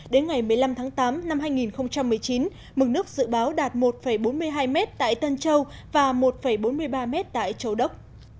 đến ngày một mươi năm tháng tám năm hai nghìn một mươi chín mực nước dự báo đạt một bốn mươi hai m tại tân châu và một bốn mươi ba m tại châu đốc